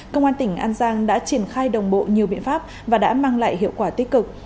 công an tỉnh an giang đã triển khai đồng bộ nhiều biện pháp và đã mang lại hiệu quả tích cực